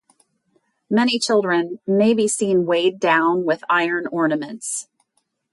Many children may be seen weighed down with iron ornaments.